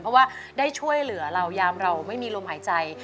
เพราะว่าได้ช่วยเหลือเรายามเราไม่มีลมหายใจ